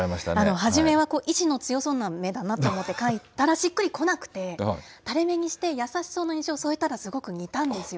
初めは意志の強そうな目だと思って描いたらしっくりこなくて、たれ目にして、優しそうな印象を添えたら、すごく似たんですよ。